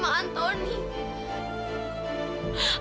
berarti antoni masih hidup